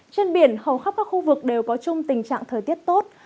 trên biển hầu khắp các khu vực đều có chung tình trạng thời tiết tốt